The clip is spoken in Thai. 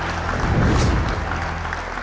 ขอเชิญยายแก้วมาต่อชีวิตคุณต่อไปครับ